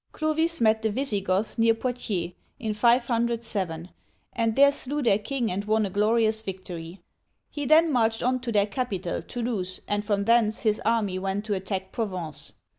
Clovis met the Visigoths near Poitiers (pwa tya'), in 507, and there slew their king and won a glorious victory. He then marched on to their capital, Toulouse, and from thence his army went to attack Provence.